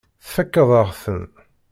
Tfakkeḍ-aɣ-ten.